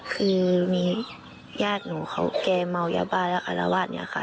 คือมีญาติหนูเขาแกเมายาบ้าแล้วอารวาสเนี่ยค่ะ